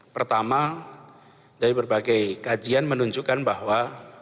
pertama dari berbagai kajian menunjukkan bahwa